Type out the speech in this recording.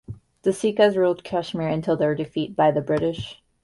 The Sikhs ruled Kashmir until their defeat by the British.